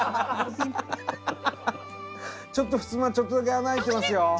ちょっとふすまちょっとだけ穴開いてますよ。